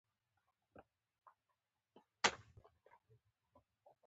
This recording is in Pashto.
چې سایکل وهې په دوړې.